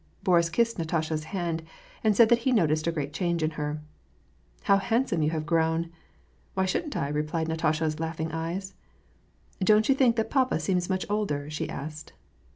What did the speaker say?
Boris kissed Natasha's hand, and said that he noticed a great change in her. " How handsome you have grown !"" Why shouldn't I ?" replied Natasha's laughing eyes. " Don't you think that papa seems much older ?" she asked.